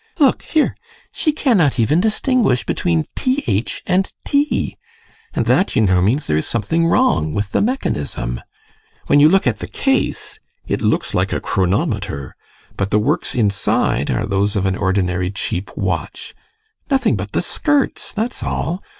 Look here: she cannot even distinguish between th and t. And that, you know, means there is something wrong with the mechanism. When you look at the case, it looks like a chronometer, but the works inside are those of an ordinary cheap watch. Nothing but the skirts that's all!